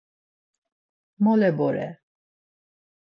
Mole vore.